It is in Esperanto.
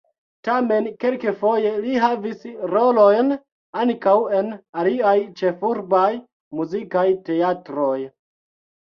Tamen kelkfoje li havis rolojn ankaŭ en aliaj ĉefurbaj muzikaj teatroj.